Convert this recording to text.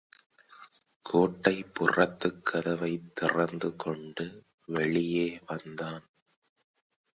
கோட்டைப்புறத்துக் கதவைத் திறந்து கொண்டு வெளியே வந்தான்.